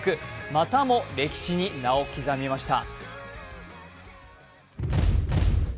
またも歴史に名を刻みました。